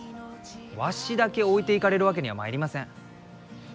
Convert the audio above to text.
わしだけ置いていかれるわけにはまいりません。